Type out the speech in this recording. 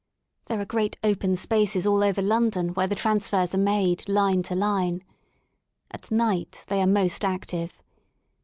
There are great open spaces all over London where the transfers are made from line to line. At night they are most active.